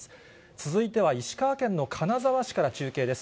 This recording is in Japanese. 続いては石川県の金沢市から中継です。